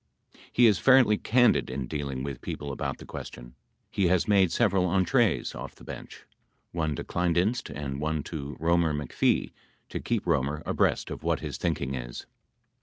He is fairly candid in dealing with people about the question. He has made several entrees off the bench — one to Kleindienst and one to Roemer McPhee to keep Roemer abreast of what his thinking is.